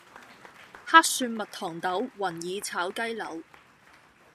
黑蒜蜜糖豆雲耳炒雞柳